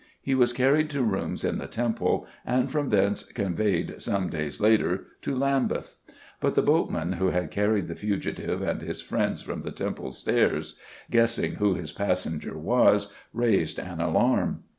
He was carried to rooms in the Temple, and from thence conveyed, some days later, to Lambeth. But the boatman who had carried the fugitive and his friends from the Temple Stairs, guessing who his passenger was, raised an alarm.